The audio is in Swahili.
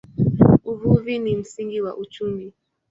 Uvuvi ni msingi wa uchumi.